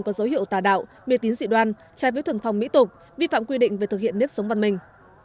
có dấu hiệu tà đạo biệt tín dị đoan trai với thuần phòng mỹ tục vi phạm quy định về thực hiện nếp sống văn minh